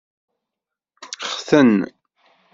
Xten.